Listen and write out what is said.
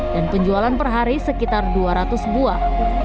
dan penjualan per hari sekitar dua ratus buah